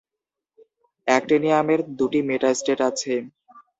অ্যাক্টিনিয়ামের দুটি meta state আছে।